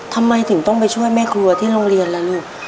ทำไมถึงต้องไปช่วยแม่ครัวที่โรงเรียนล่ะลูก